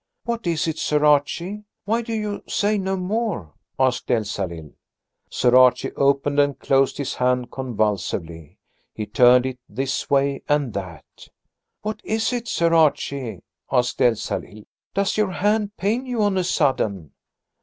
"What is it, Sir Archie? Why do you say no more?" asked Elsalill. Sir Archie opened and closed his hand convulsively. He turned it this way and that. "What is it, Sir Archie?" asked Elsalill. "Does your hand pain you on a sudden?"